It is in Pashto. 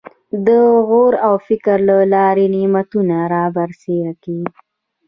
د غور او فکر له لارې نعمتونه رابرسېره کېږي.